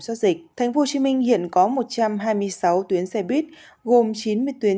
soát dịch thành phố hồ chí minh hiện có một trăm hai mươi sáu tuyến xe buýt gồm chín mươi tuyến